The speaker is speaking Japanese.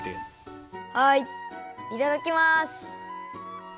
はいいただきます。